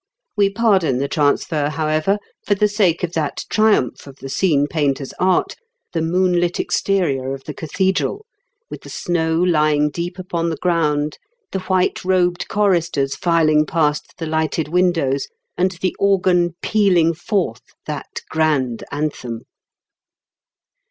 We pardon the transfer, however, for the sake of that triumph of the scene painter's art, the moonlit exterior of the cathedral, with the snow lying deep upon the ground, the white robed choristers filing past the lighted windows, and the organ pealing forth that grand anthem.